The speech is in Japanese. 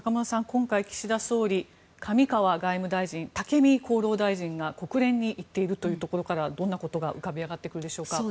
今回、岸田総理上川外務大臣、武見厚労大臣が国連に行っているというところからどんなことが浮かび上がってくるでしょうか。